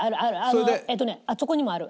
あそこにもある。